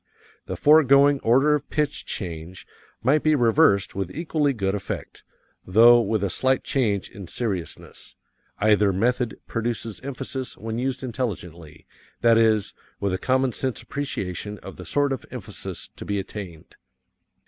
The foregoing order of pitch change might be reversed with equally good effect, though with a slight change in seriousness either method produces emphasis when used intelligently, that is, with a common sense appreciation of the sort of emphasis to be attained.